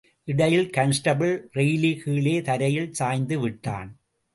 இடையில் constable Reilly கீழே தரையில் சாய்ந்து விட்டான்.